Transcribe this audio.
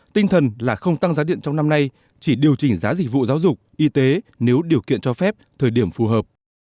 tinh thần là không tăng giá điện trong năm nay chỉ điều chỉnh giá dịch vụ giáo dục y tế nếu điều kiện cho phép thời điểm phù hợp